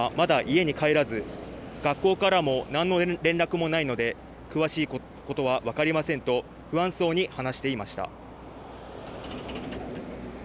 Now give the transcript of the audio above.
子どもはまだ家に帰らず学校からも何の連絡もないので詳しいことは分かりませんと不安そうに話していました。